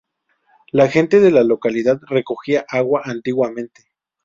La gente de la localidad recogía agua antiguamente.